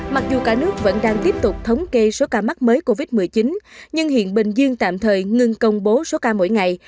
mặc dù cả nước vẫn đang tiếp tục thống kê số ca mắc mới covid một mươi chín nhưng hiện bình dương tạm thời ngưng công bố số ca mỗi ngày